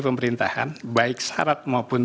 pemerintahan baik syarat maupun